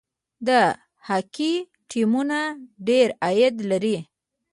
د هاکي ټیمونه ډیر عاید لري.